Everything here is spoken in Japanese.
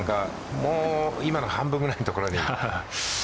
今の半分ぐらいのところで。